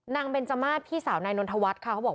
นางเบญษมสพี่นายนทวัฒน์